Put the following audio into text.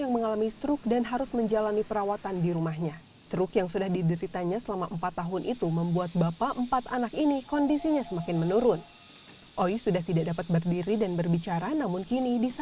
penggugatan tersebut dilayangkan kepada bapak dan kakak kandungnya karena dirinya meminta hak atas warisan orang tuanya